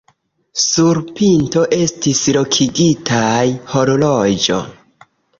Sur pinto estis lokigitaj horloĝo.